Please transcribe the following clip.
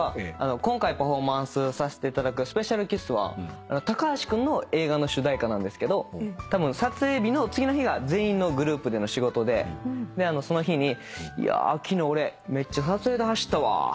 今回パフォーマンスさせていただく『ＳｐｅｃｉａｌＫｉｓｓ』は高橋君の映画の主題歌なんですけど撮影日の次の日が全員のグループでの仕事でその日に「いや昨日俺めっちゃ撮影で走ったわ」